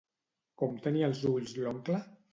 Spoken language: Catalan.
Com tenia els ulls l'oncle?